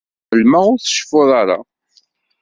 Ԑelmeɣ ur tceffuḍ ara.